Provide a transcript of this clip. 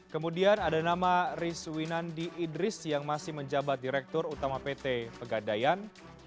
kemudian ada nama riz winandi idris yang masih menjabat direktur utama pt pegadayan